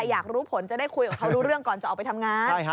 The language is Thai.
อยากรู้ผลจะได้คุยกับเขารู้เรื่องก่อนจะออกไปทำงาน